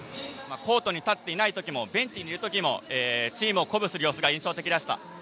コートに立っていない時もベンチにいたときもチームを鼓舞する様子が印象的でした。